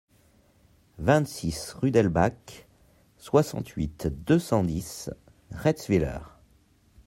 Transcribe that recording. vingt-six rue d'Elbach, soixante-huit, deux cent dix, Retzwiller